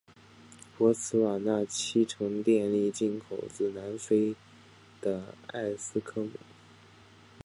博茨瓦纳七成电力进口自南非的埃斯科姆。